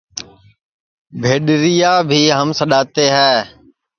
بھیڈؔیریا بھی ہم سڈؔاتے ہے